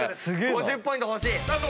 ５０ポイント欲しい。